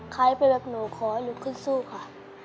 ใครเป็นแบบหนูขอให้ลุกขึ้นสู้ค่ะ